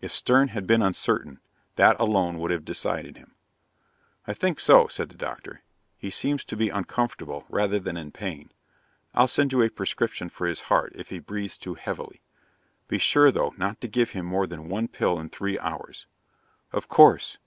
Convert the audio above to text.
If Stern had been uncertain, that alone would have decided him. "I think so," said the doctor. "He seems to be uncomfortable, rather than in pain. I'll send you a prescription for his heart, if he breathes too heavily. Be sure, though, not to give him more than one pill in three hours." "Of course."